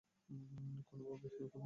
কোনভাবেই না, এটা কোনো ধর্ষণ ছিল না।